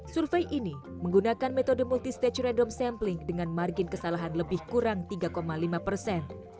survei ini menggunakan metode multistage random sampling dengan margin kesalahan lebih kurang tiga lima persen